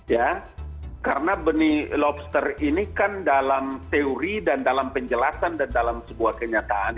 ya karena benih lobster ini kan dalam teori dan dalam penjelasan dan dalam sebuah kenyataan